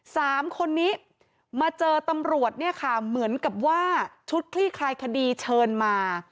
สามคนนี้มาเจอตำรวจเนี่ยค่ะเหมือนกับว่าชุดคลี่คลายคดีเชิญมา